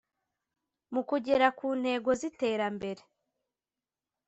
mu kugera ku ntego z iterambere